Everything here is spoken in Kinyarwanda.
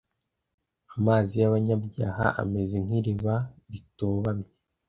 amazi y abanyabyaha Ameze nk iriba ritobamye